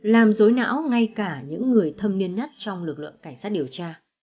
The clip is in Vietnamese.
làm dối não ngay cả những người thâm niên nhất trong lực lượng cảnh sát điều tra